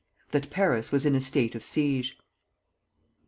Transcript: That Paris was in a state of siege.